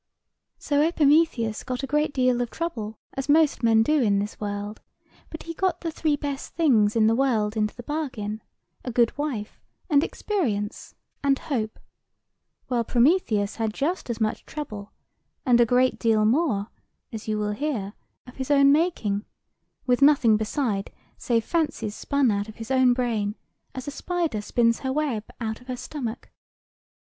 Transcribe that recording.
"So Epimetheus got a great deal of trouble, as most men do in this world: but he got the three best things in the world into the bargain—a good wife, and experience, and hope: while Prometheus had just as much trouble, and a great deal more (as you will hear), of his own making; with nothing beside, save fancies spun out of his own brain, as a spider spins her web out of her stomach.